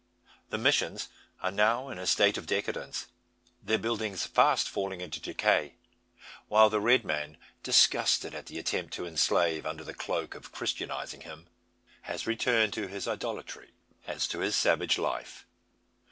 The missions are now in a state of decadence, their buildings fast falling into decay; while the red man, disgusted at the attempt to enslave, under the clock of christianising him, has returned to his idolatry, as to his savage life.